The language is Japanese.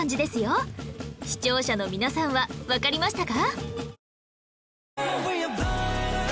視聴者の皆さんはわかりましたか？